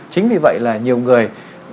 chính vì vậy là nhiều người